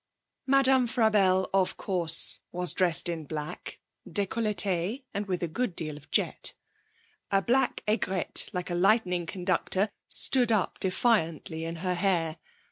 Madame Frabelle (of course) was dressed in black, décolletée, and with a good deal of jet. A black aigrette, like a lightning conductor, stood up defiantly in her hair.